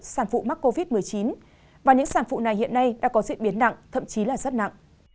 sản phụ mắc covid một mươi chín và những sản phụ này hiện nay đã có diễn biến nặng thậm chí là rất nặng